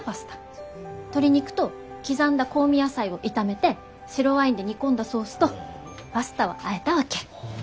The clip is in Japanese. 鶏肉と刻んだ香味野菜を炒めて白ワインで煮込んだソースとパスタをあえたわけ。